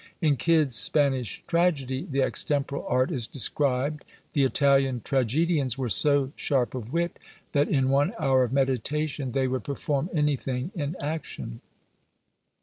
In Kyd's Spanish Tragedy the extemporal art is described: The Italian tragedians were so sharp of wit, That in one hour of meditation They would perform anything in action.